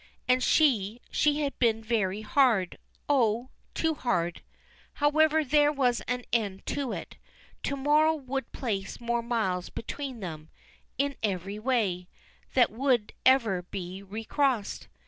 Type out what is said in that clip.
And she, she had been very hard oh! too hard. However, there was an end to it. To morrow would place more miles between them, in every way, than would ever be recrossed.